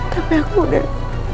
tapi aku udah